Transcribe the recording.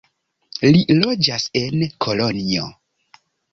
Li loĝas en Kolonjo.